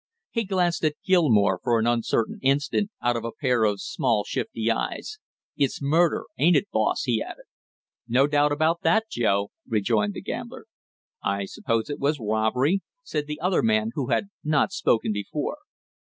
He glanced at Gilmore for an uncertain instant out of a pair of small shifty eyes. "It's murder, ain't it, boss?" he added. "No doubt about that, Joe!" rejoined the gambler. "I suppose it was robbery?" said the other man, who had not spoken before.